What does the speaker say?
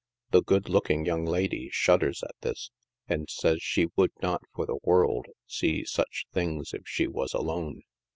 The good looking young lady shudders at this, and says she would not, for the world, see such things if she was alone.